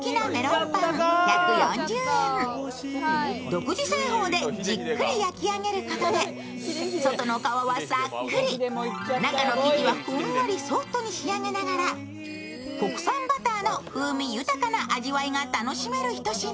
独自製法でじっくり焼き上げることで、外の皮はサックリ、中の生地はふんわりソフトに仕上げながら国産バターの風味豊かな味わいが楽しめるひと品。